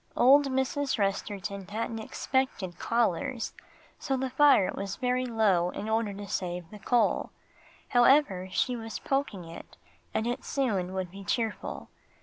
Old Mrs. Resterton hadn't expected callers, so the fire was very low in order to save the coal. However, she was poking it, and it soon would be cheerful.